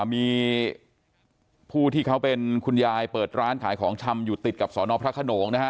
มีผู้ที่เขาเป็นคุณยายเปิดร้านขายของชำอยู่ติดกับสอนอพระขนงนะฮะ